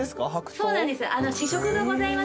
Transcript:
そうなんです。